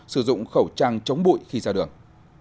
sử dụng khẩu trang chống bụi khi ra đường